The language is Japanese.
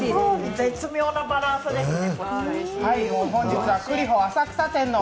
絶妙なバランスですね。